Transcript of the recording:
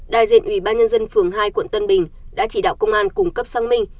đại diện ủy ban nhân dân phường hai quận tân bình đã chỉ đạo công an cung cấp xác minh